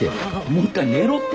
もう一回寝ろって！